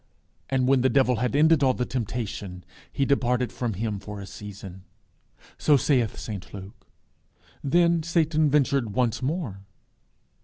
"And when the devil had ended all the temptation, he departed from him for a season." So saith St Luke. Then Satan ventured once more.